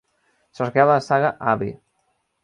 Cerqueu la saga Abby.